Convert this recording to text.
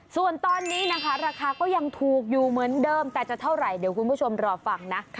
ส่วนตอนนี้นะคะราคาก็ยังถูกอยู่เหมือนเดิมแต่จะเท่าไหร่เดี๋ยวคุณผู้ชมรอฟังนะ